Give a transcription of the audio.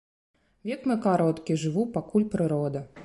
Век мой кароткі, жыву, пакуль прырода.